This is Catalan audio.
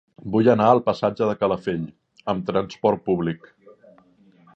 Vull anar al passatge de Calafell amb trasport públic.